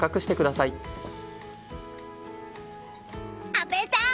阿部さん！